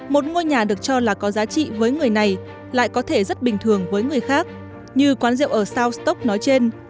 một ngôi nhà được cho là có giá trị với người này lại có thể rất bình thường với người khác như quán rượu ở sao stock nói trên